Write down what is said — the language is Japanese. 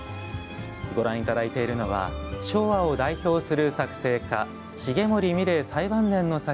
ご覧いただいているのは昭和を代表する作庭家重森三玲、最晩年の作。